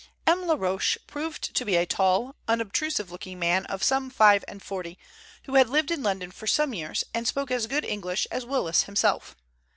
M. Laroche proved to be a tall, unobtrusive looking man of some five and forty, who had lived in London for some years and spoke as good English as Willis himself.